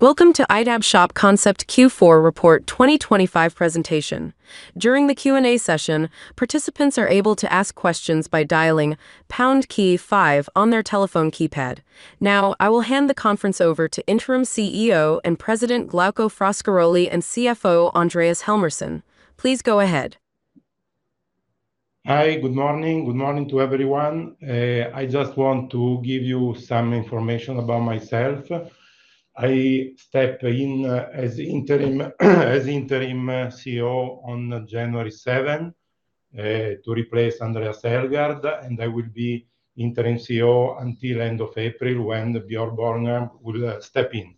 Welcome to ITAB Shop Concept Q4 Report 2025 presentation. During the Q&A session, participants are able to ask questions by dialing pound key five on their telephone keypad. Now, I will hand the conference over to Interim CEO and President, Glauco Frascaroli, and CFO, Andreas Helmersson. Please go ahead. Hi. Good morning. Good morning to everyone. I just want to give you some information about myself. I stepped in as Interim CEO on January 7 to replace Andreas Helmersson, and I will be interim CEO until end of April, when Björn Borgman will step in.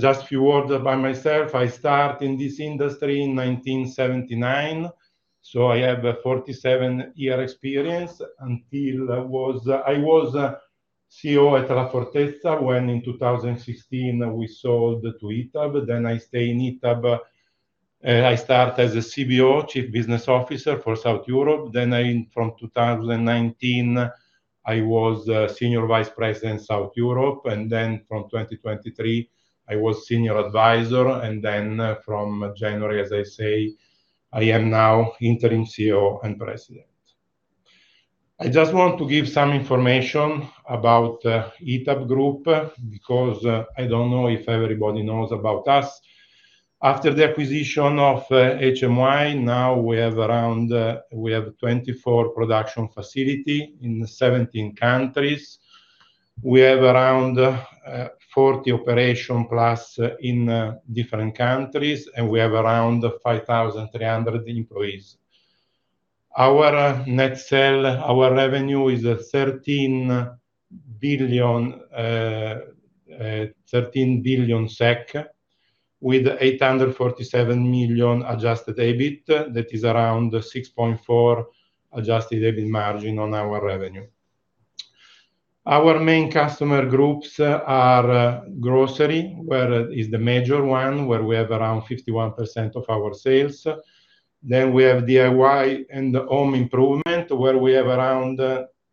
Just a few words about myself. I start in this industry in 1979, so I have a 47-year experience until I was CEO at La Fortezza, when in 2016, we sold to ITAB. Then I stay in ITAB. I start as a CBO, Chief Business Officer for South Europe. Then I, from 2019, I was Senior Vice President, South Europe, and then from 2023, I was Senior Advisor, and then from January, as I say, I am now Interim CEO and President. I just want to give some information about ITAB Group, because I don't know if everybody knows about us. After the acquisition of HMY, now we have around we have 24 production facility in 17 countries. We have around 40 operation plus in different countries, and we have around 5,300 employees. Our net sale, our revenue is 13 billion with 847 million adjusted EBIT. That is around 6.4 adjusted EBIT margin on our revenue. Our main customer groups are grocery, where is the major one, where we have around 51% of our sales. Then we have DIY and home improvement, where we have around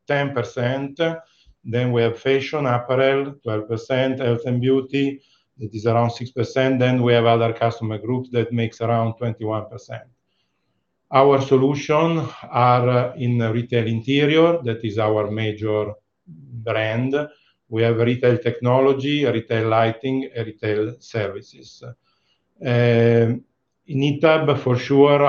10%. Then we have fashion apparel, 12%. Health and beauty, it is around 6%. Then we have other customer groups that makes around 21%. Our solution are in Retail Interior, that is our major brand. We have Retail Technology, Retail Lighting, Retail Services. In ITAB, for sure,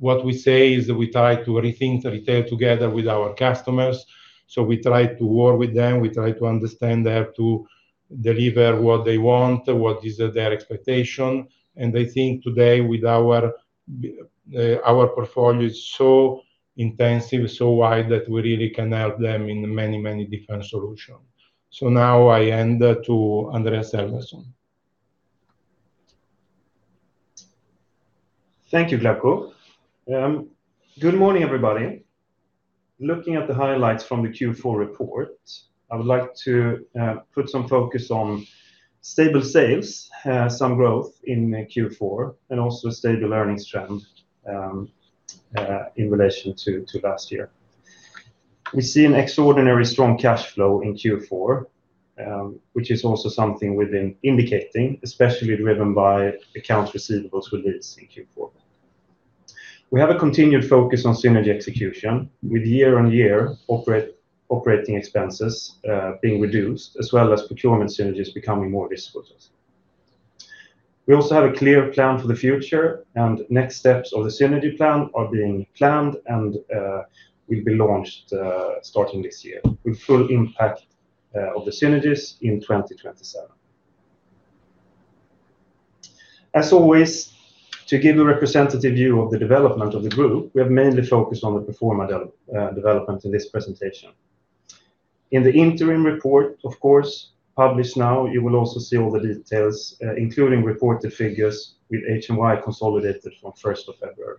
what we say is we try to rethink retail together with our customers, so we try to work with them, we try to understand them, to deliver what they want, what is their expectation. And I think today, with our portfolio is so intensive, so wide, that we really can help them in many, many different solutions. So now I hand to Andreas Helmersson. Thank you, Glauco. Good morning, everybody. Looking at the highlights from the Q4 report, I would like to put some focus on stable sales, some growth in Q4, and also a stable earnings trend in relation to last year. We see an extraordinary strong cash flow in Q4, which is also something we've been indicating, especially driven by accounts receivables with this in Q4. We have a continued focus on synergy execution, with year-on-year operating expenses being reduced, as well as procurement synergies becoming more visible to us. We also have a clear plan for the future, and next steps of the synergy plan are being planned and will be launched starting this year, with full impact of the synergies in 2027. As always, to give a representative view of the development of the group, we have mainly focused on the pro forma development in this presentation. In the interim report, of course, published now, you will also see all the details, including reported figures with HMY consolidated from first of February.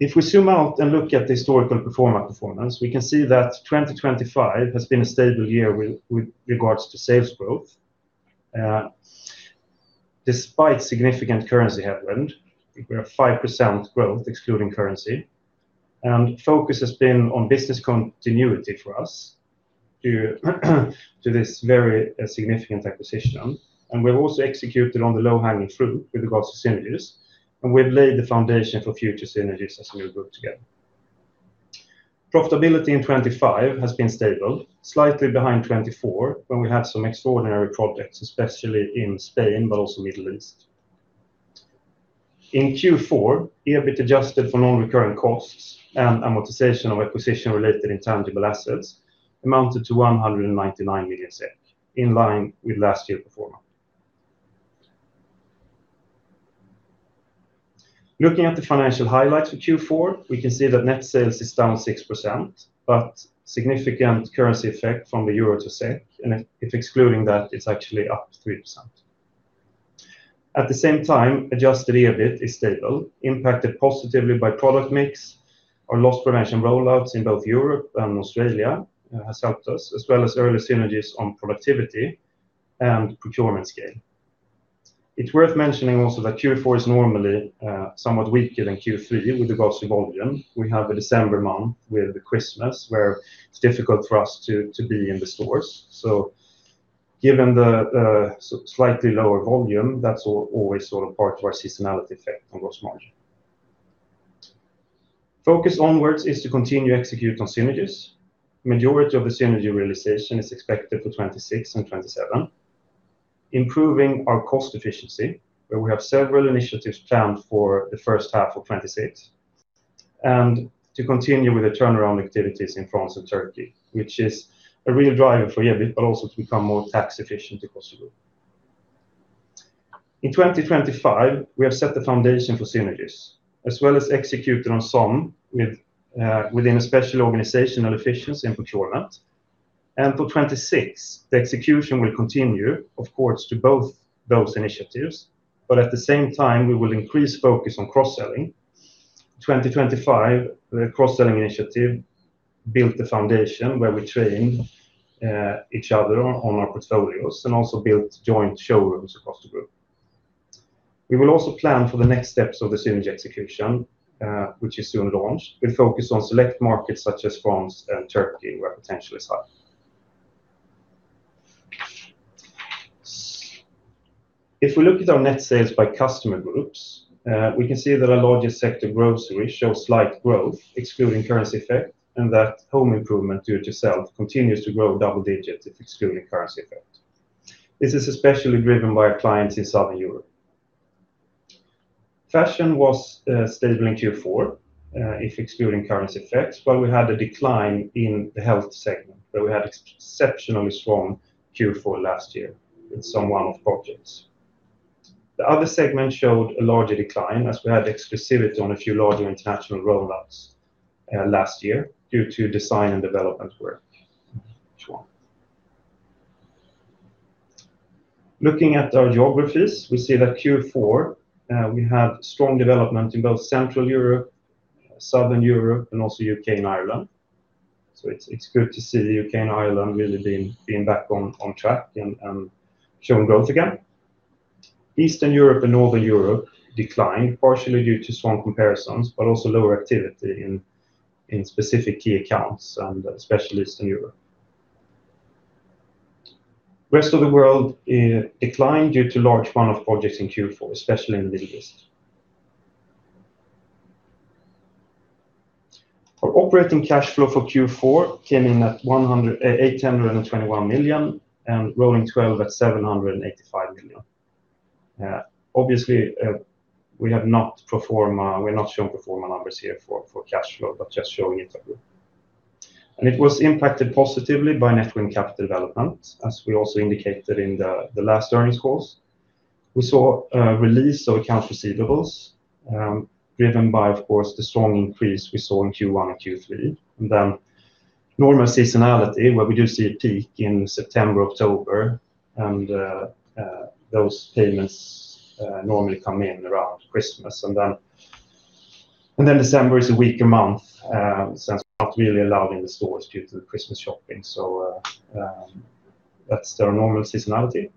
If we zoom out and look at the historical pro forma performance, we can see that 2025 has been a stable year with regards to sales growth. Despite significant currency headwind, we have 5% growth, excluding currency, and focus has been on business continuity for us due to this very significant acquisition. And we've also executed on the low-hanging fruit with regards to synergies, and we've laid the foundation for future synergies as a new group together. Profitability in 2025 has been stable, slightly behind 2024, when we had some extraordinary projects, especially in Spain, but also Middle East. In Q4, EBIT adjusted for non-recurring costs and amortization of acquisition-related intangible assets, amounted to 199 million SEK, in line with last year pro forma. Looking at the financial highlights for Q4, we can see that net sales is down 6%, but significant currency effect from the euro to SEK, and if excluding that, it's actually up 3%. At the same time, adjusted EBIT is stable, impacted positively by product mix or loss prevention rollouts in both Europe and Australia, has helped us, as well as early synergies on productivity and procurement scale. It's worth mentioning also that Q4 is normally, somewhat weaker than Q3 with regards to volume. We have the December month with the Christmas, where it's difficult for us to be in the stores. So given the so slightly lower volume, that's always sort of part to our seasonality effect on gross margin. Focus onwards is to continue to execute on synergies. Majority of the synergy realization is expected for 2026 and 2027, improving our cost efficiency, where we have several initiatives planned for the first half of 2026, and to continue with the turnaround activities in France and Turkey, which is a real driver for, but also to become more tax efficient across the group. In 2025, we have set the foundation for synergies, as well as executed on some with within a special organizational efficiency in procurement. For 2026, the execution will continue, of course, to both those initiatives, but at the same time, we will increase focus on cross-selling. 2025, the cross-selling initiative built the foundation where we train each other on our portfolios and also built joint showrooms across the group. We will also plan for the next steps of the synergy execution, which is soon launched. We focus on select markets such as France and Turkey, where potential is high. If we look at our net sales by customer groups, we can see that our largest sector, grocery, shows slight growth, excluding currency effect, and that home improvement do-it-yourself continues to grow double digits if excluding currency effect. This is especially driven by our clients in Southern Europe. Fashion was stable in Q4 if excluding currency effects, but we had a decline in the health segment, where we had exceptionally strong Q4 last year with some one-off projects. The other segment showed a larger decline as we had exclusivity on a few larger international rollouts last year due to design and development work H1. Looking at our geographies, we see that Q4 we have strong development in both Central Europe, Southern Europe, and also U.K. and Ireland. So it's good to see the U.K. and Ireland really being back on track and showing growth again. Eastern Europe and Northern Europe declined, partially due to strong comparisons, but also lower activity in specific key accounts and especially Eastern Europe. Rest of the world declined due to large one-off projects in Q4, especially in the Middle East. Our operating cash flow for Q4 came in at 821 million, and rolling twelve at 785 million. Obviously, we're not showing pro forma numbers here for cash flow, but just showing it as a group. It was impacted positively by net working capital development, as we also indicated in the last earnings calls. We saw a release of accounts receivables, driven by, of course, the strong increase we saw in Q1 and Q3, and then normal seasonality, where we do see a peak in September, October, and those payments normally come in around Christmas, and then December is a weaker month, since we're not really allowed in the stores due to the Christmas shopping. That's the normal seasonality,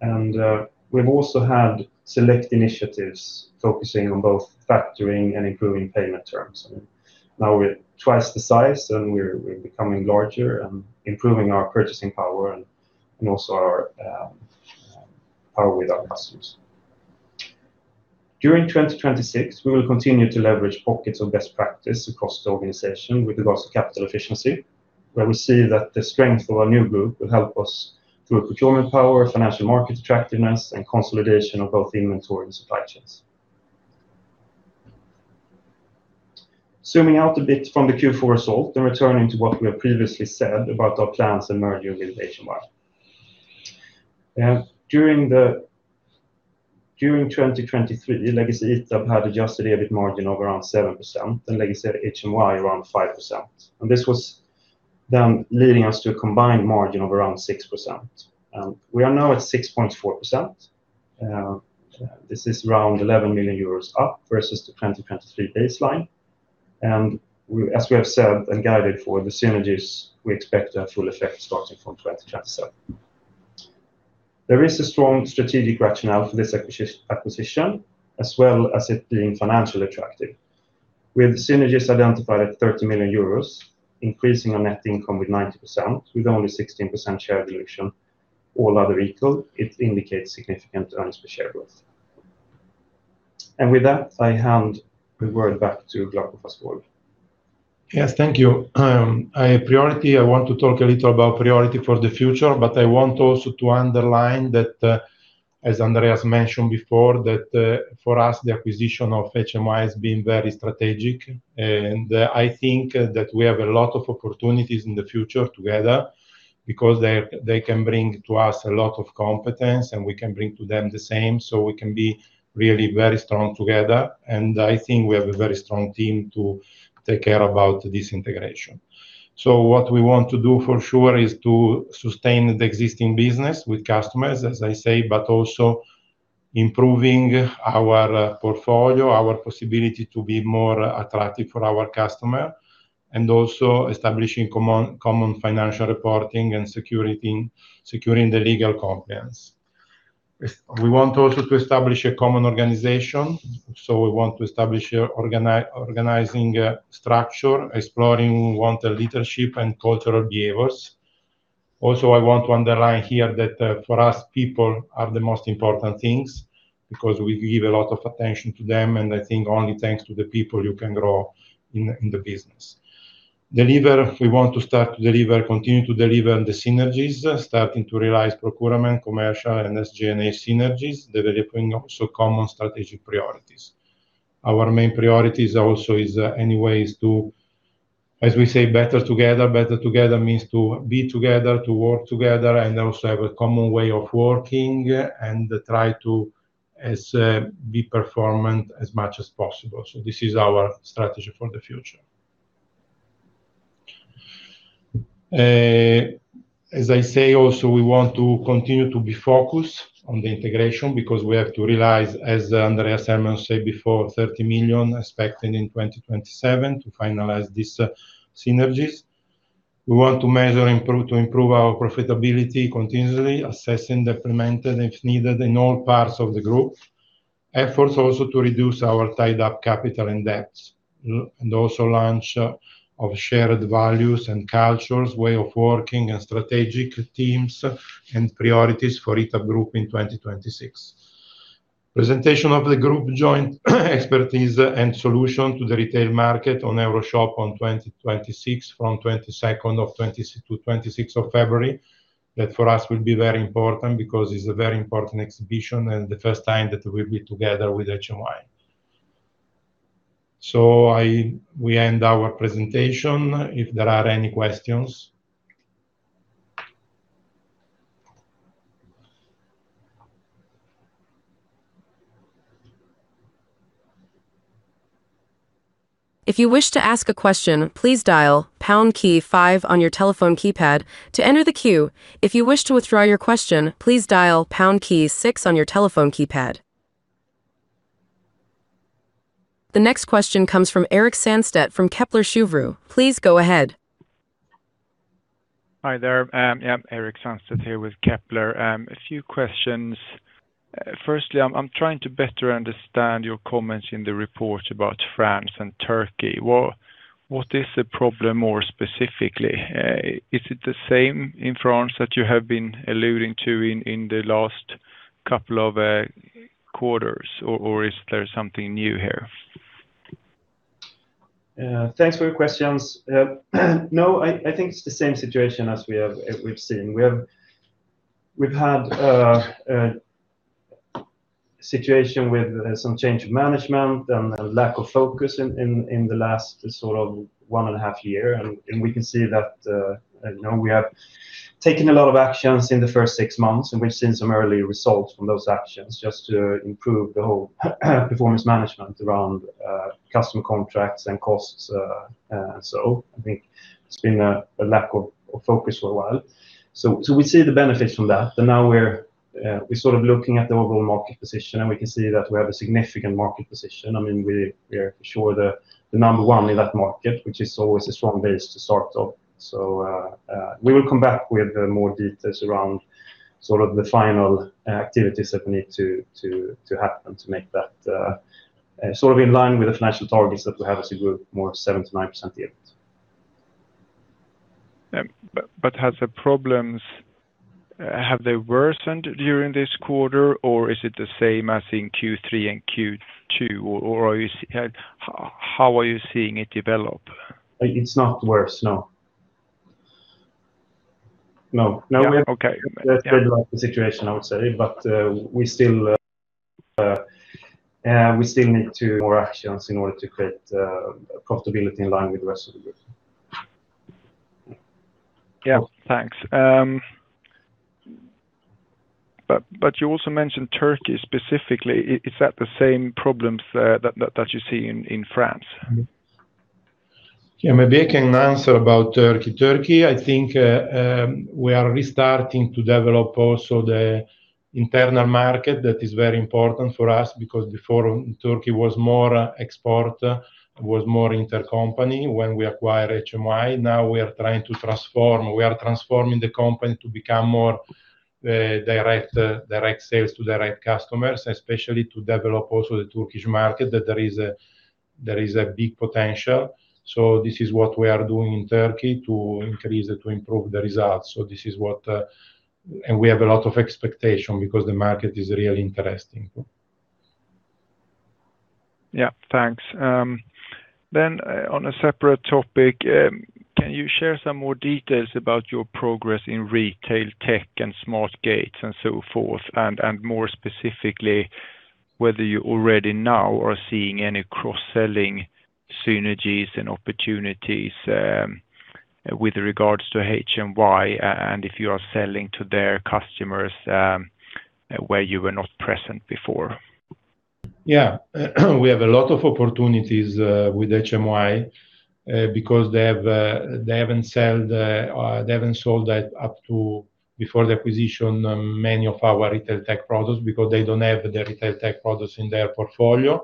and we've also had select initiatives focusing on both factoring and improving payment terms. Now we're twice the size, and we're becoming larger and improving our purchasing power and also our power with our customers. During 2026, we will continue to leverage pockets of best practice across the organization with regards to capital efficiency, where we see that the strength of our new group will help us through procurement power, financial market attractiveness, and consolidation of both inventory and supply chains. Zooming out a bit from the Q4 result and returning to what we have previously said about our plans and merger with HMY. During 2023, legacy ITAB had adjusted EBIT margin of around 7% and legacy HMY around 5%, and this was then leading us to a combined margin of around 6%, and we are now at 6.4%. This is around 11 million euros up versus the 2023 baseline. As we have said and guided for the synergies, we expect a full effect starting from 2027. There is a strong strategic rationale for this acquisition, as well as it being financially attractive. With synergies identified at 30 million euros, increasing our net income with 90%, with only 16% share dilution, all other equal, it indicates significant earnings per share growth. And with that, I hand the word back to Glauco Frascaroli. Yes, thank you. Priority, I want to talk a little about priority for the future, but I want also to underline that, as Andreas mentioned before, that, for us, the acquisition of HMY has been very strategic, and, I think that we have a lot of opportunities in the future together because they, they can bring to us a lot of competence, and we can bring to them the same, so we can be really very strong together, and I think we have a very strong team to take care about this integration. So what we want to do for sure is to sustain the existing business with customers, as I say, but also improving our, portfolio, our possibility to be more attractive for our customer, and also establishing common, common financial reporting and security, securing the legal compliance. We want also to establish a common organization, so we want to establish an organizing structure, exploring we want a leadership and cultural behaviors. Also, I want to underline here that, for us, people are the most important things, because we give a lot of attention to them, and I think only thanks to the people you can grow in the business. Deliver, we want to start to deliver, continue to deliver the synergies, starting to realize procurement, commercial, and SG&A synergies, developing also common strategic priorities. Our main priorities also is, anyways, to, as we say, better together. Better together means to be together, to work together, and also have a common way of working, and try to as be performant as much as possible. So this is our strategy for the future. As I say, also, we want to continue to be focused on the integration, because we have to realize, as Andreas Helmersson said before, 30 million expected in 2027 to finalize these synergies. We want to measure, improve, to improve our profitability continually, assessing the implementation if needed in all parts of the group. Efforts also to reduce our tied-up capital and debts, and also launch of shared values and cultures, way of working and strategic teams, and priorities for ITAB Group in 2026. Presentation of the group joint expertise and solution to the retail market on EuroShop on 2026, from 22nd of 2026 to February 26th. That, for us, will be very important because it's a very important exhibition and the first time that we'll be together with HMY. So we end our presentation. If there are any questions? If you wish to ask a question, please dial pound key five on your telephone keypad to enter the queue. If you wish to withdraw your question, please dial pound key six on your telephone keypad. The next question comes from Erik Sandstedt from Kepler Cheuvreux. Please go ahead. Hi there, yeah, Erik Sandstedt here with Kepler. A few questions. Firstly, I'm trying to better understand your comments in the report about France and Turkey. What is the problem, more specifically? Is it the same in France that you have been alluding to in the last couple of quarters, or is there something new here? Thanks for your questions. No, I think it's the same situation as we have, as we've seen. We've had a situation with some change of management and a lack of focus in the last sort of one point five years, and we can see that, you know, we have taken a lot of actions in the first 6 months, and we've seen some early results from those actions just to improve the whole performance management around customer contracts and costs. So I think it's been a lack of focus for a while. So we see the benefits from that, but now we're sort of looking at the overall market position, and we can see that we have a significant market position. I mean, we are sure the number one in that market, which is always a strong base to start off. So, we will come back with more details around sort of the final activities that we need to happen to make that sort of in line with the financial targets that we have as a group, more 7%-9% yields. But has the problems have they worsened during this quarter, or is it the same as in Q3 and Q2, or how are you seeing it develop? It's not worse, no. No. Okay. That's pretty much the situation, I would say, but we still, we still need to more actions in order to create profitability in line with the rest of the group. Yeah, thanks. But you also mentioned Turkey specifically. Is that the same problems that you see in France? Yeah, maybe I can answer about Turkey. Turkey, I think, we are restarting to develop also the internal market. That is very important for us, because before Turkey was more export, it was more intercompany. When we acquired HMY, now we are trying to transform. We are transforming the company to become more, direct, direct sales to the right customers, especially to develop also the Turkish market, that there is a, there is a big potential. So this is what we are doing in Turkey to increase it, to improve the results. And we have a lot of expectation because the market is really interesting. Yeah, thanks. Then, on a separate topic, can you share some more details about your progress in retail tech and Smart Gates, and so forth? And, more specifically, whether you already now are seeing any cross-selling synergies and opportunities, with regards to HMY, and if you are selling to their customers, where you were not present before? Yeah. We have a lot of opportunities with HMY because they haven't sold that up to before the acquisition many of our retail tech products because they don't have the retail tech products in their portfolio.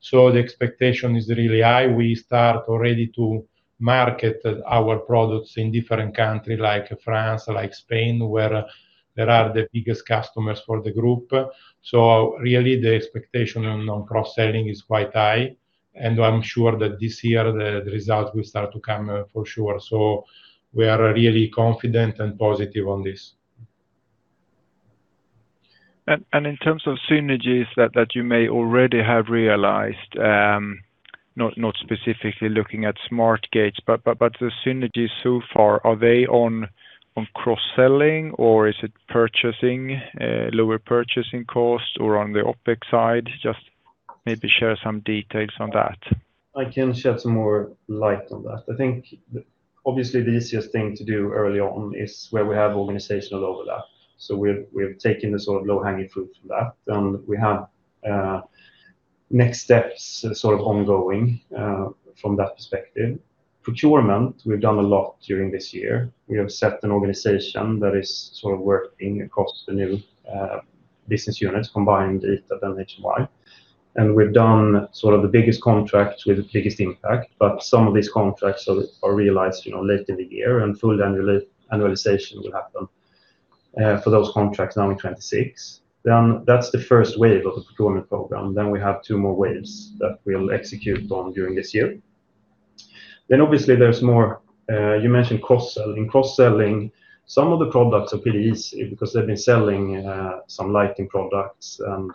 So the expectation is really high. We start already to market our products in different country, like France, like Spain, where there are the biggest customers for the group. So really, the expectation on cross-selling is quite high.... and I'm sure that this year the result will start to come, for sure. So we are really confident and positive on this. In terms of synergies that you may already have realized, not specifically looking at Smart Gates, but the synergies so far, are they on cross-selling, or is it purchasing, lower purchasing cost or on the OpEx side? Just maybe share some details on that. I can shed some more light on that. I think obviously the easiest thing to do early on is where we have organizational overlap. So we've taken the sort of low-hanging fruit from that, and we have next steps sort of ongoing from that perspective. Procurement, we've done a lot during this year. We have set an organization that is sort of working across the new business units, combined with HMY. And we've done sort of the biggest contract with the biggest impact, but some of these contracts are realized, you know, late in the year, and full annualization will happen for those contracts now in 2026. Then that's the first wave of the procurement program. Then we have two more waves that we'll execute on during this year. Then obviously, there's more, you mentioned cross-selling. Cross-selling, some of the products are pretty easy because they've been selling some lighting products and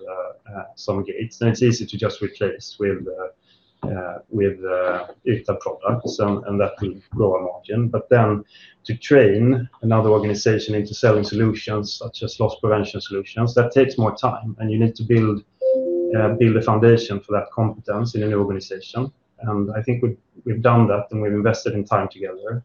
some gates, and it's easy to just replace with the data products, and that will grow a margin. But then to train another organization into selling solutions, such as loss prevention solutions, that takes more time, and you need to build a foundation for that competence in an organization. And I think we've done that, and we've invested in time together.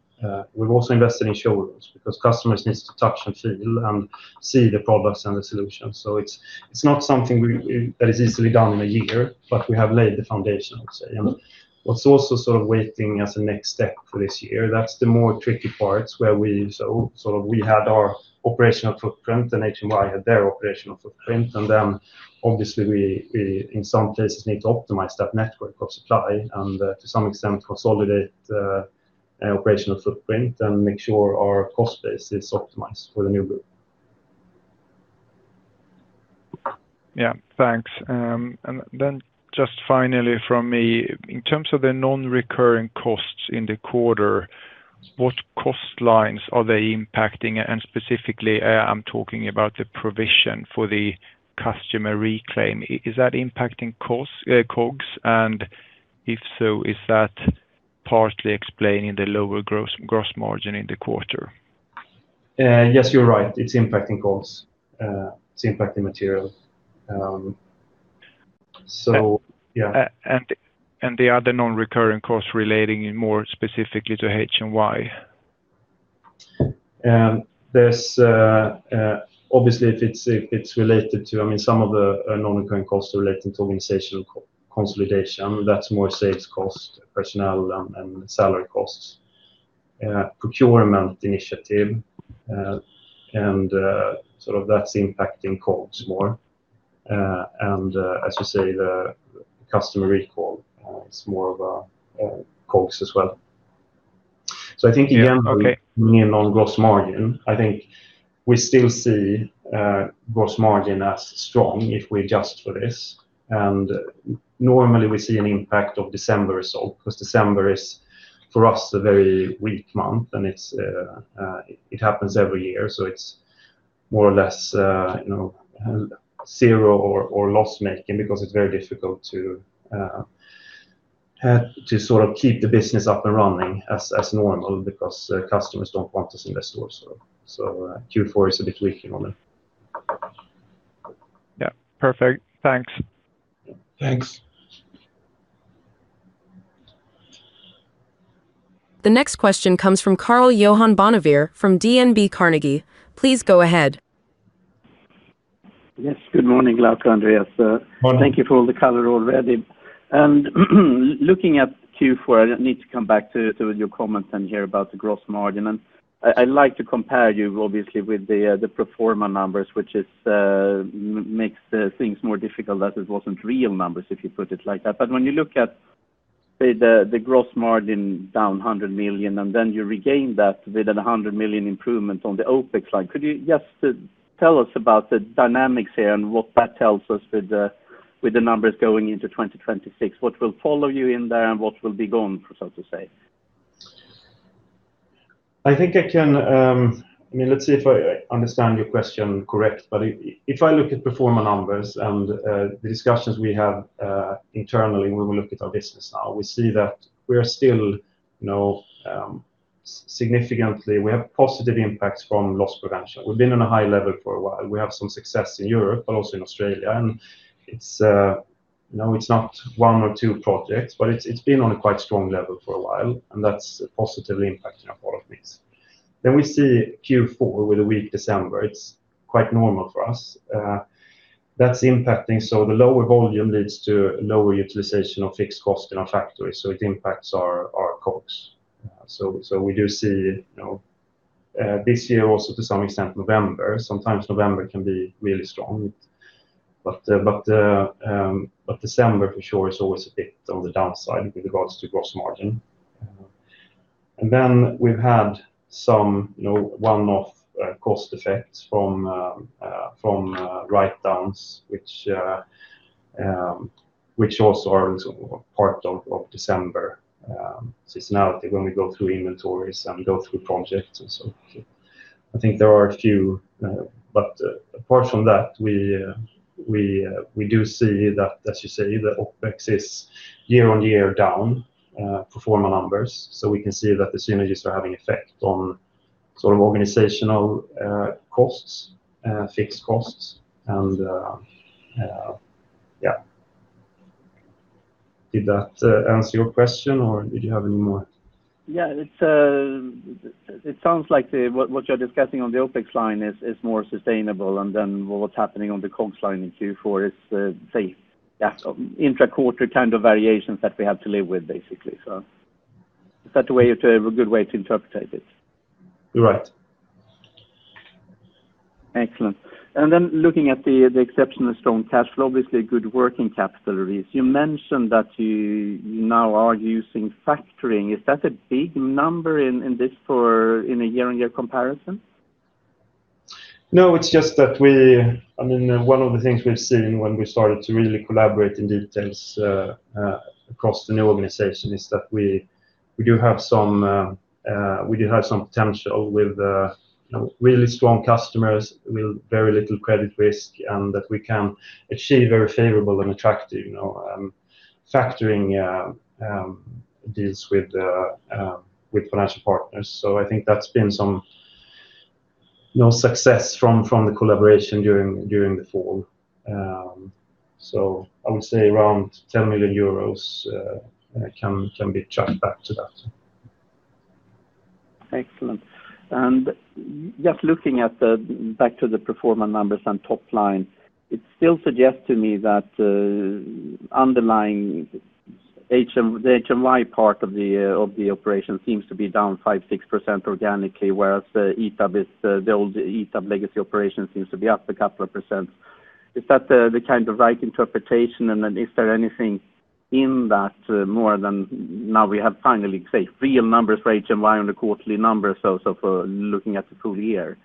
We've also invested in showrooms because customers needs to touch and feel and see the products and the solutions. So it's not something we-- that is easily done in a year, but we have laid the foundation, I would say. What's also sort of waiting as a next step for this year, that's the more tricky parts where we sort of had our operational footprint, and HMY had their operational footprint, and then obviously, we in some places need to optimize that network of supply and, to some extent, consolidate operational footprint and make sure our cost base is optimized for the new group. Yeah, thanks. And then just finally from me, in terms of the non-recurring costs in the quarter, what cost lines are they impacting? And specifically, I'm talking about the provision for the customer reclaim. Is that impacting costs, COGS? And if so, is that partly explaining the lower gross, gross margin in the quarter? Yes, you're right. It's impacting costs. It's impacting material. So yeah. And the other non-recurring costs relating more specifically to HMY. There's obviously, if it's, it's related to... I mean, some of the non-recurring costs are relating to organizational co-consolidation. That's more sales cost, personnel, and salary costs. Procurement initiative, and sort of that's impacting COGS more, and, as you say, the customer recall, it's more of a COGS as well. So I think again- Yeah, okay. In on Gross Margin, I think we still see Gross Margin as strong if we adjust for this, and normally we see an impact of December result, because December is, for us, a very weak month, and it happens every year, so it's more or less, you know, zero or loss-making because it's very difficult to sort of keep the business up and running as normal because the customers don't want to see the store. So Q4 is a bit weak at the moment. Yeah, perfect. Thanks. Thanks. The next question comes from Karl-Johan Bonnevier, from DNB Carnegie. Please go ahead. Yes, good morning, Glauco and Andreas. Morning. Thank you for all the color already. Looking at Q4, I need to come back to your comments and hear about the gross margin. I like to compare you obviously with the pro forma numbers, which makes the things more difficult as it wasn't real numbers, if you put it like that. But when you look at the gross margin down 100 million, and then you regain that with a 100 million improvement on the OpEx line, could you just tell us about the dynamics here and what that tells us with the numbers going into 2026? What will follow you in there, and what will be gone, so to say? I think I can, I mean, let's see if I understand your question correct. But if I look at Pro Forma numbers and the discussions we have internally, when we look at our business now, we see that we are still, you know, significantly, we have positive impacts from Loss Prevention. We've been on a high level for a while. We have some success in Europe, but also in Australia, and it's, you know, it's not one or two projects, but it's, it's been on a quite strong level for a while, and that's positively impacting on all of this. Then we see Q4 with a weak December, it's quite normal for us. That's impacting, so the lower volume leads to lower utilization of fixed cost in our factory, so it impacts our, our COGS. So, so we do see, you know, this year also, to some extent, November. Sometimes November can be really strong. But, but December for sure, is always a bit on the downside with regards to gross margin. And then we've had some, you know, one-off, cost effects from, from, write-downs, which, which also are sort of part of, of December. So it's now when we go through inventories and go through projects and so on. I think there are a few, but, apart from that, we, we, we do see that, as you say, the OpEx is year-on-year down, pro forma numbers. So we can see that the synergies are having effect on sort of organizational, costs, fixed costs, and, yeah. Did that answer your question, or did you have any more? Yeah, it sounds like what you're discussing on the OpEx line is more sustainable, and then what's happening on the costs line in Q4 is safe. Yeah. Intra-quarter kind of variations that we have to live with, basically, so is that the way to, a good way to interpret it? Right. Excellent. And then looking at the exceptional strong cash flow, obviously a good working capital release. You mentioned that you now are using factoring. Is that a big number in this for in a year-on-year comparison? No, it's just that I mean, one of the things we've seen when we started to really collaborate in details across the new organization is that we do have some potential with, you know, really strong customers with very little credit risk, and that we can achieve very favorable and attractive, you know, factoring deals with financial partners. So I think that's been some, you know, success from the collaboration during the fall. So I would say around 10 million euros can be tracked back to that. Excellent. And just looking at the, back to the pro forma numbers and top line, it still suggests to me that the underlying H- the HMY part of the, of the operation seems to be down 5-6% organically, whereas the ITAB is, the old ITAB legacy operation seems to be up a couple of percent. Is that the, the kind of right interpretation? And then is there anything in that more than now we have finally, say, real numbers for HMY on the quarterly numbers, so, so for looking at the full year?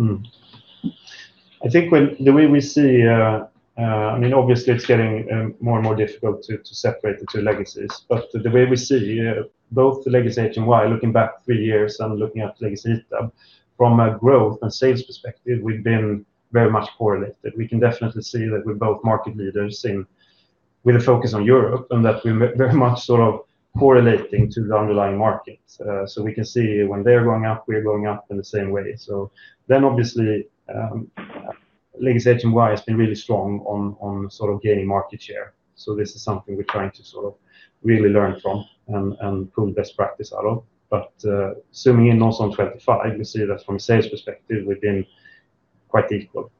I think when the way we see, I mean, obviously, it's getting more and more difficult to separate the two legacies. But the way we see both the legacy HMY, looking back three years and looking at legacy ITAB, from a growth and sales perspective, we've been very much correlated. We can definitely see that we're both market leaders in with a focus on Europe, and that we're very much sort of correlating to the underlying markets. So we can see when they're going up, we're going up in the same way. So then obviously, legacy HMY has been really strong on sort of gaining market share. So this is something we're trying to sort of really learn from and pull best practice out of. But, zooming in also on 2025, we see that from a sales perspective, we've been quite equal.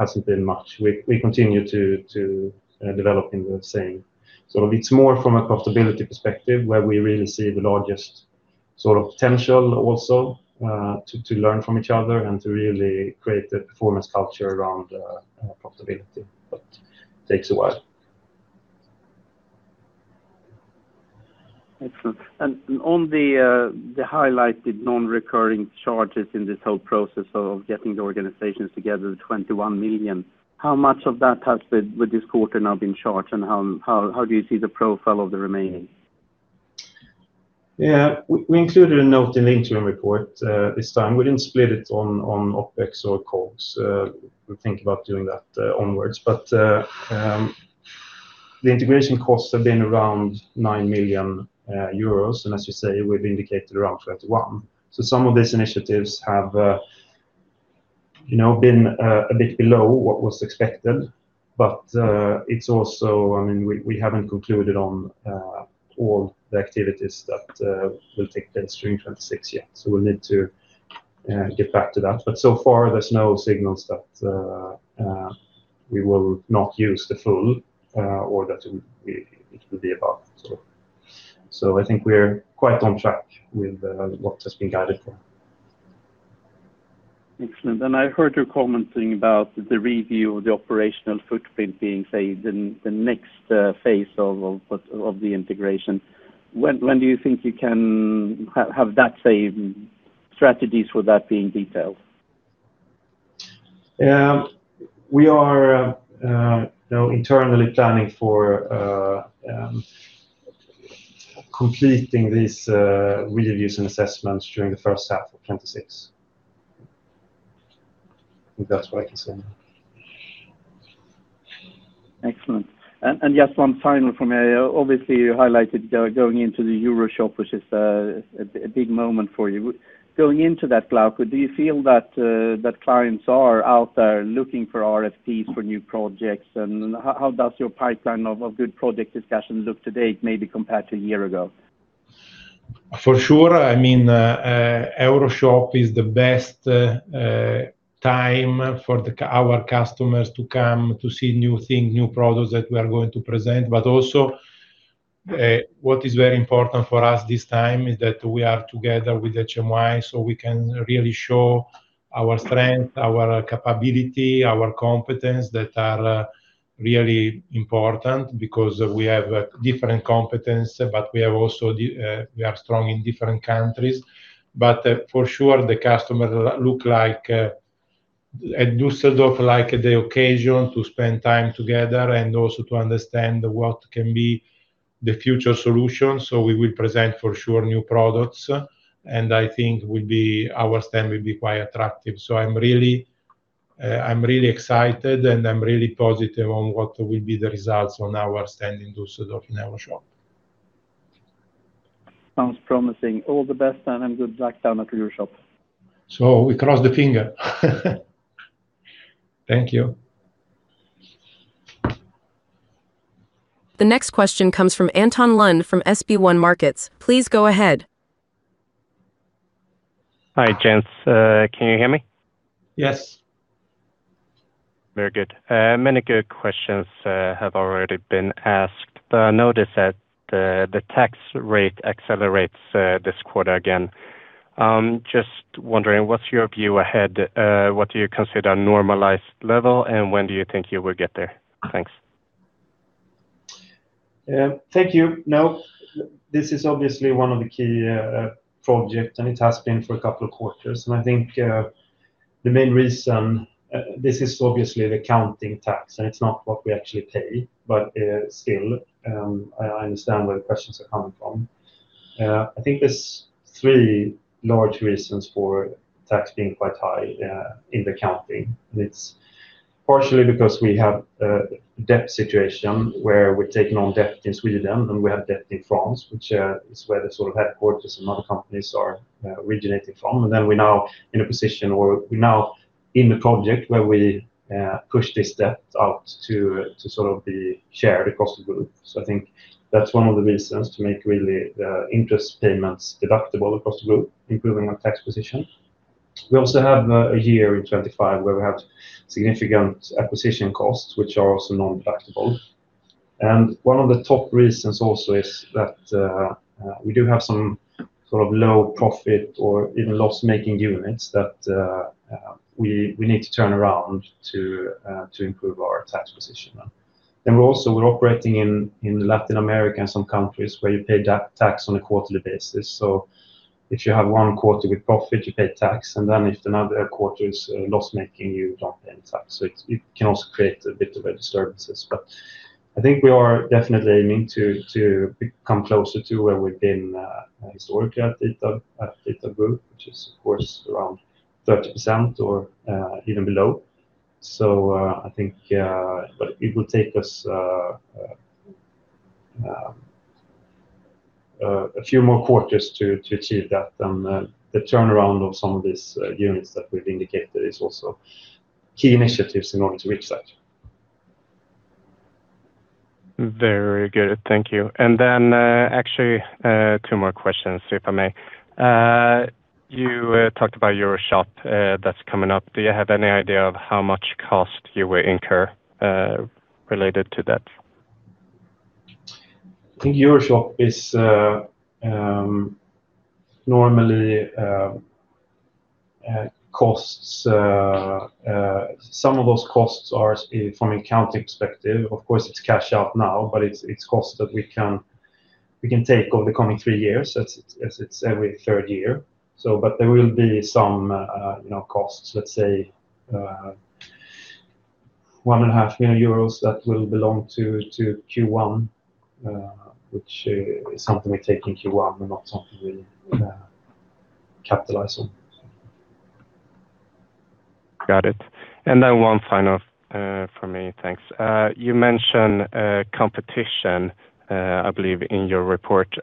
Hasn't been much. We continue to develop in the same. So it's more from a profitability perspective, where we really see the largest sort of potential also, to learn from each other and to really create a performance culture around profitability, but takes a while. Excellent. On the highlighted non-recurring charges in this whole process of getting the organizations together, the 21 million, how much of that has been, with this quarter now, been charged, and how do you see the profile of the remaining? Yeah, we, we included a note in the interim report. This time, we didn't split it on, on OpEx or COGS. We'll think about doing that, onwards. But, the integration costs have been around 9 million euros, and as you say, we've indicated around 21 million. So some of these initiatives have, you know, been a bit below what was expected, but, it's also... I mean, we, we haven't concluded on all the activities that will take place during 2026 yet, so we'll need to get back to that. But so far, there's no signals that we will not use the full, or that it will be, it will be above. So, so I think we're quite on track with what has been guided for. Excellent. And I heard you commenting about the review of the operational footprint being, say, the next phase of the integration. When do you think you can have that, say, strategies for that be in detail? We are, you know, internally planning for completing these reviews and assessments during the first half of 2026. I think that's what I can say. Excellent. And just one final from me. Obviously, you highlighted going into the EuroShop, which is a big moment for you. Going into that, Flaco, do you feel that clients are out there looking for RFPs for new projects? And how does your pipeline of good project discussions look today, maybe compared to a year ago? For sure, I mean, EuroShop is the best time for our customers to come to see new things, new products that we are going to present. But also, what is very important for us this time is that we are together with HMY, so we can really show our strength, our capability, our competence that are really important because we have different competence, but we have also we are strong in different countries. But for sure, the customer look like at Düsseldorf, like the occasion to spend time together and also to understand what can be the future solution. So we will present for sure new products, and I think we'll be, our stand will be quite attractive. I'm really, I'm really excited, and I'm really positive on what will be the results on our stand in Düsseldorf in EuroShop. Sounds promising. All the best, and good luck down at EuroShop. We cross our fingers. Thank you. The next question comes from Anton Lund from SB1 Markets. Please go ahead. Hi, gents. Can you hear me? Yes. Very good. Many good questions have already been asked, but I notice that the tax rate accelerates this quarter again. Just wondering, what's your view ahead? What do you consider a normalized level, and when do you think you will get there? Thanks. Thank you. Now, this is obviously one of the key projects, and it has been for a couple of quarters. And I think the main reason this is obviously the accounting tax, and it's not what we actually pay, but still, I understand where the questions are coming from. I think there's three large reasons for tax being quite high in the county. It's partially because we have a debt situation where we're taking on debt in Sweden, and we have debt in France, which is where the sort of headquarters and other companies are originating from. And then we're now in a position where we're now in a project where we push this debt out to sort of be shared across the group. So I think that's one of the reasons to make really the interest payments deductible across the group, improving our tax position. We also have a year in 2025 where we have significant acquisition costs, which are also non-deductible. And one of the top reasons also is that, we do have some sort of low profit or even loss-making units that, we, we need to turn around to, to improve our tax position. Then we're also... we're operating in, in Latin America and some countries where you pay the tax on a quarterly basis. So if you have one quarter with profit, you pay tax, and then if another quarter is loss-making, you don't pay any tax. So it, it can also create a bit of a disturbances. But I think we are definitely aiming to become closer to where we've been historically at the group, which is of course around 30% or even below. So I think but it will take us a few more quarters to achieve that. The turnaround of some of these units that we've indicated is also key initiatives in order to reach that. Very good. Thank you. And then, actually, two more questions, if I may. You talked about EuroShop, that's coming up. Do you have any idea of how much cost you will incur, related to that? I think EuroShop is normally costs. Some of those costs are from an account perspective, of course. It's cash out now, but it's cost that we can take over the coming three years as it's every third year. So but there will be some, you know, costs, let's say, 1.5 million euros that will belong to Q1, which is something we take in Q1 and not something we capitalize on. Got it. And then one final, for me. Thanks. You mentioned, competition, I believe, in your report.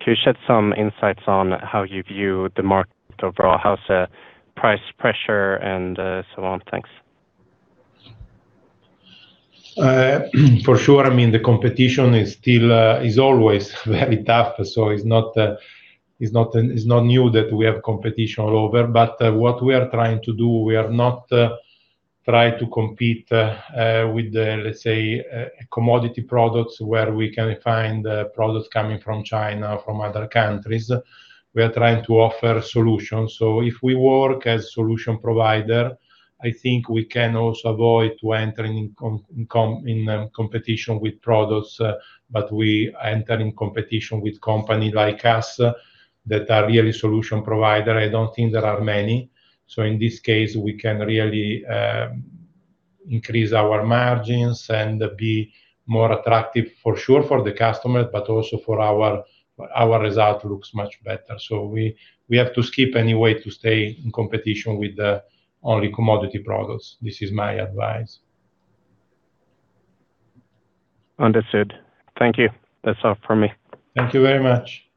Can you shed some insights on how you view the market overall? How's, price pressure and, so on? Thanks. For sure, I mean, the competition is still always very tough, so it's not new that we have competition all over. But what we are trying to do, we are not trying to compete with the, let's say, commodity products where we can find products coming from China or from other countries. We are trying to offer solutions. So if we work as solution provider, I think we can also avoid to entering in competition with products, but we enter in competition with company like us that are really solution provider. I don't think there are many. So in this case, we can really increase our margins and be more attractive for sure, for the customer, but also for our result looks much better. So we have to skip anyway to stay in competition with the only commodity products. This is my advice. Understood. Thank you. That's all for me. Thank you very much.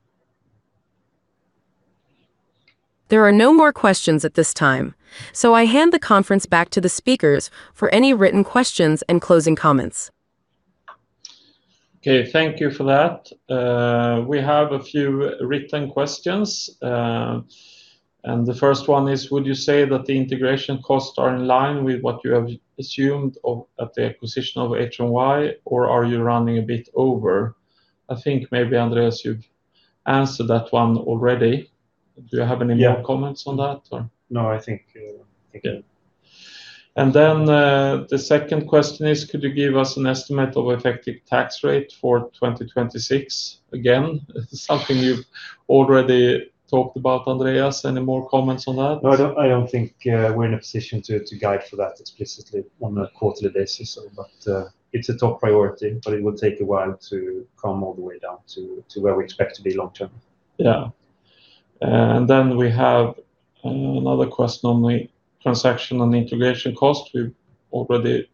There are no more questions at this time, so I hand the conference back to the speakers for any written questions and closing comments. Okay. Thank you for that. We have a few written questions. The first one is: Would you say that the integration costs are in line with what you have assumed of at the acquisition of HMY, or are you running a bit over? I think maybe, Andreas, you've answered that one already. Do you have any more- Yeah... comments on that, or? No, I think, again.... And then, the second question is: could you give us an estimate of effective tax rate for 2026? Again, this is something you've already talked about, Andreas. Any more comments on that? No, I don't, I don't think we're in a position to guide for that explicitly on a quarterly basis, but it's a top priority, but it will take a while to come all the way down to where we expect to be long term. Yeah. And then we have another question on the transaction and integration cost. We've already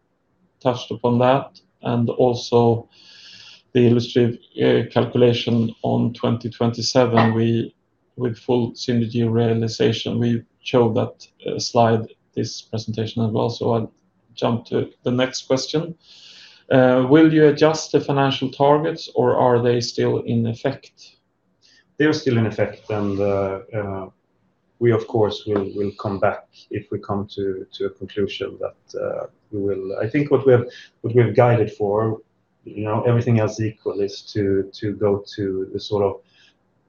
touched upon that, and also the illustrative calculation on 2027 with full synergy realization. We showed that slide this presentation as well, so I'll jump to the next question. Will you adjust the financial targets, or are they still in effect? They are still in effect, and we, of course, will come back if we come to a conclusion that we will. I think what we have guided for, you know, everything else equal, is to go to the sort of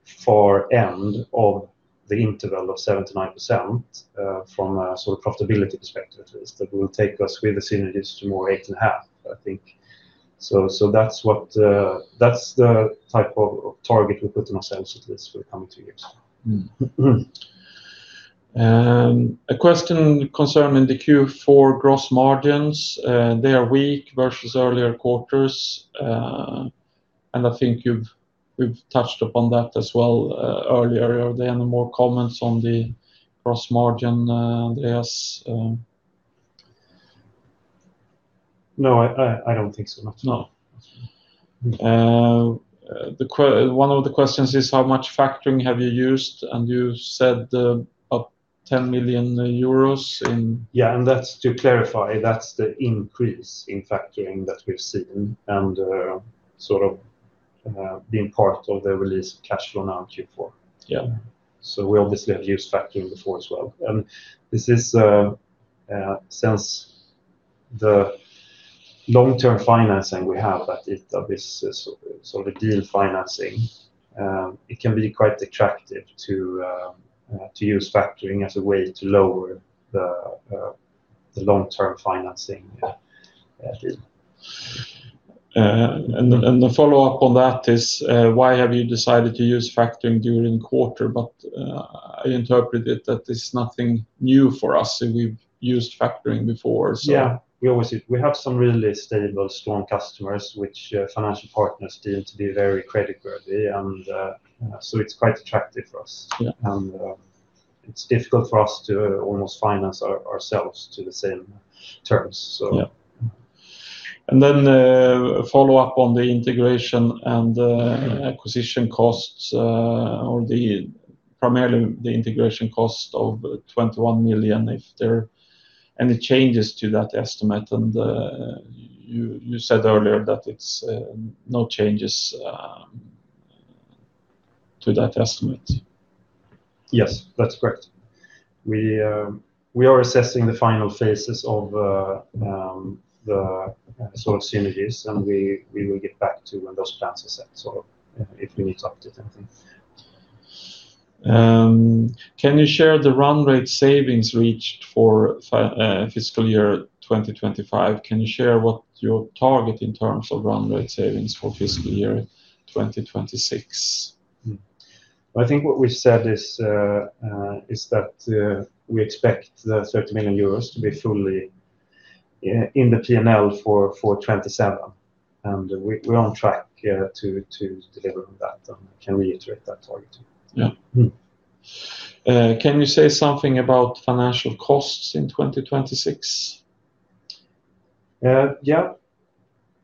far end of the interval of 7%-9%, from a sort of profitability perspective, at least, that will take us with the synergies to more like 8.5, I think. So that's what that's the type of target we put ourselves at this for coming two years. Mm-hmm. A question concerning the Q4 gross margins, they are weak versus earlier quarters, and I think we've touched upon that as well, earlier today. Any more comments on the gross margin, Andreas? No, I don't think so, not. No. One of the questions is: how much factoring have you used? And you said, up 10 million euros in- Yeah, and that's to clarify, that's the increase in factoring that we've seen, and sort of being part of the release of cash flow now in Q4. Yeah. So we obviously have used factoring before as well. And this is, since the long-term financing we have that is, of this sort of, sort of deal financing, it can be quite attractive to, to use factoring as a way to lower the, the long-term financing. Yeah. Yeah. And the follow-up on that is, why have you decided to use factoring during quarter? But I interpreted that it's nothing new for us, and we've used factoring before, so. Yeah, we always... We have some really stable, strong customers, which financial partners deem to be very creditworthy, and so it's quite attractive for us. Yeah. And, it's difficult for us to almost finance ourselves to the same terms, so. Yeah. And then, follow up on the integration and the acquisition costs, or primarily the integration cost of 21 million, if there are any changes to that estimate, and, you, you said earlier that it's, no changes, to that estimate. Yes, that's correct. We are assessing the final phases of the sort of synergies, and we will get back to when those plans are set, so if we need to update anything. Can you share the run rate savings reached for fiscal year 2025? Can you share what your target in terms of run rate savings for fiscal year 2026? I think what we said is that we expect the EUR 30 million to be fully in the P&L for 2027, and we're on track to deliver on that, and I can reiterate that target. Yeah. Can you say something about financial costs in 2026? Yeah.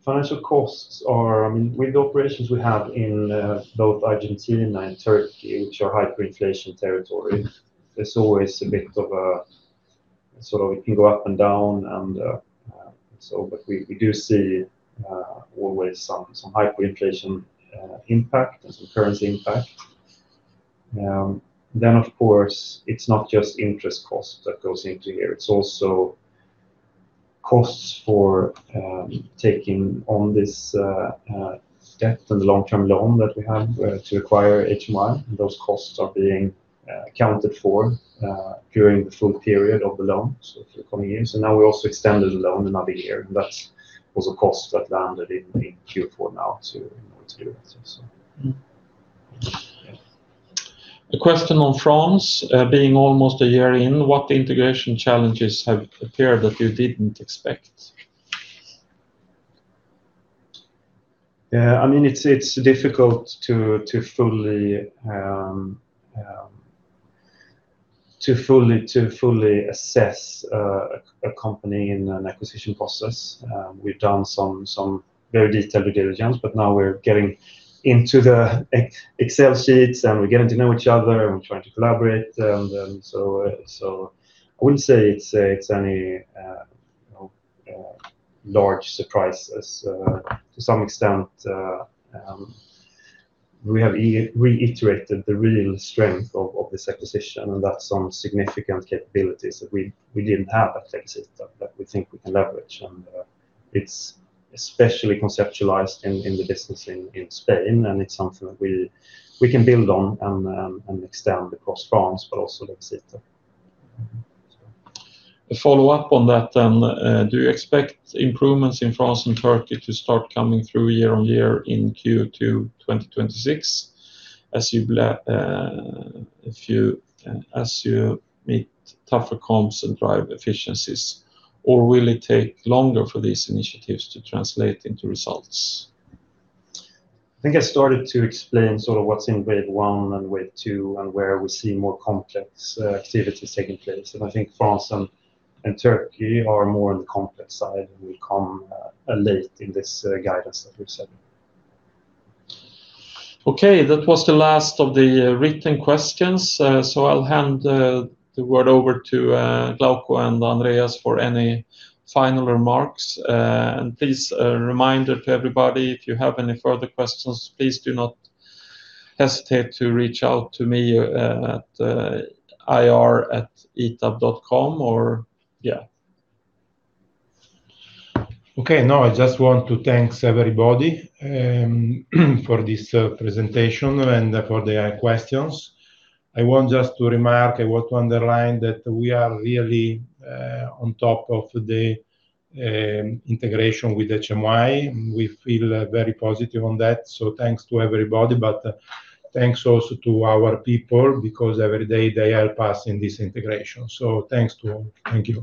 Financial costs are, I mean, with the operations we have in both Argentina and Turkey, which are hyperinflation territory, there's always a bit of a, sort of it can go up and down, and so. But we do see always some hyperinflation impact and some currency impact. Then, of course, it's not just interest cost that goes into here. It's also costs for taking on this debt and the long-term loan that we have to acquire HMY. Those costs are being accounted for during the full period of the loan, so for the coming years. And now we also extended the loan another year, and that's also a cost that landed in Q4 now, too, in order to do it, so. Yeah. The question on France, being almost a year in, what integration challenges have appeared that you didn't expect? I mean, it's difficult to fully assess a company in an acquisition process. We've done some very detailed due diligence, but now we're getting into the Excel sheets, and we're getting to know each other, and we're trying to collaborate. So, I wouldn't say it's any large surprise as to some extent we have reiterated the real strength of this acquisition and that's some significant capabilities that we didn't have at Tex system that we think we can leverage. It's especially conceptualized in the business in Spain, and it's something that we can build on and extend across France, but also look at it. Mm-hmm. A follow-up on that then, do you expect improvements in France and Turkey to start coming through year on year in Q2 2026, as you, if you can, as you meet tougher comps and drive efficiencies? Or will it take longer for these initiatives to translate into results? I think I started to explain sort of what's in wave one and wave two, and where we see more complex activities taking place. And I think France and Turkey are more on the complex side, and will come late in this guidance that we've said. Okay, that was the last of the written questions. So I'll hand the word over to Glauco and Andreas for any final remarks. And please, a reminder to everybody, if you have any further questions, please do not hesitate to reach out to me at ir@itab.com, or, yeah. Okay. No, I just want to thank everybody for this presentation and for the questions. I want just to remark, I want to underline that we are really on top of the integration with HMY. We feel very positive on that, so thanks to everybody, but thanks also to our people, because every day they help us in this integration. So thanks to all. Thank you.